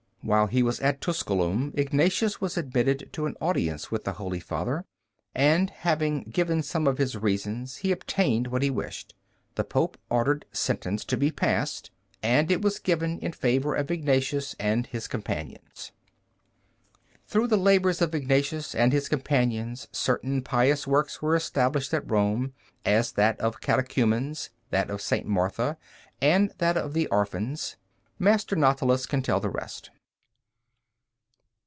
While he was at Tusculum Ignatius was admitted to an audience with the Holy Father, and having given some of his reasons, he obtained what he wished. The Pope ordered sentence to be passed, and it was given in favor of Ignatius and his companions. Through the labors of Ignatius and his companions, certain pious works were established at Rome, as that of Catechumens, that of St. Martha, and that of the Orphans. Master Natalis can tell the rest.